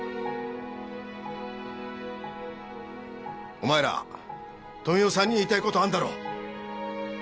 お前ら富生さんに言いたいことあんだろ。